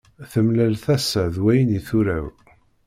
Temlal tasa d wayen i turew.